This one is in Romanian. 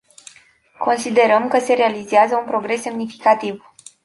Considerăm că se realizează un progres semnificativ.